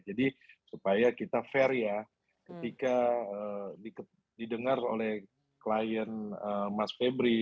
jadi supaya kita fair ya ketika didengar oleh klien mas febri